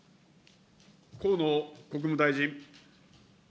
河野国務大臣。